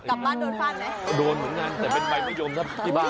กลับบ้านโดนฟั่นไหมโดนเหมือนกันแต่เป็นใบพยมทรัพย์ที่บ้าน